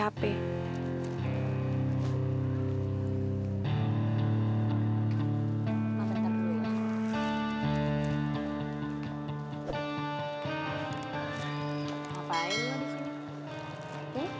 ngapain lo disini